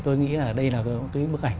tôi nghĩ là đây là một cái bức ảnh